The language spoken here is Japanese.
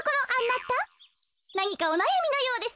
なにかおなやみのようですね。